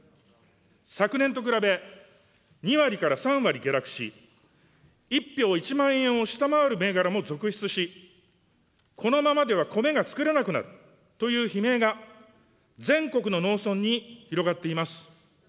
昨年と比べ、２割から３割下落し、１俵１万円を下回る銘柄も続出し、このままではコメがつくれなくなるという悲鳴が全国の農村に広がっています。